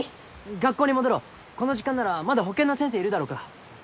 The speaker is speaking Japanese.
学校に戻ろうこの時間ならまだ保健の先生いるだろうから。